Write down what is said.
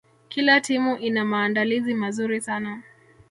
kila timu ina maandalizi mazuri sana